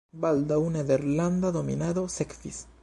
Baldaŭ nederlanda dominado sekvis.